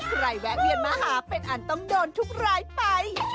แวะเวียนมาหาเป็นอันต้องโดนทุกรายไป